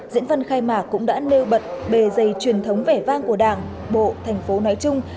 diễn văn khai mạc cũng đã nêu bật bề dày truyền thống vẻ vang của đảng bộ thành phố nói chung